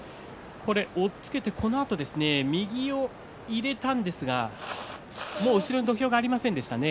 押っつけたあと右を入れたんですがもう後ろに土俵がありませんでしたね。